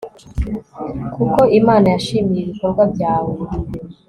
kuko imana yishimiye ibikorwa byawe